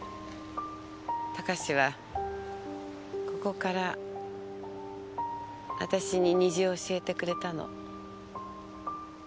孝志はここからあたしに虹を教えてくれたの。